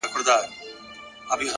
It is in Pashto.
پرمختګ د عمل دوام غواړي.